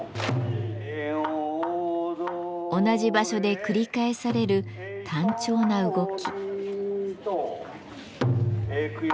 同じ場所で繰り返される単調な動き。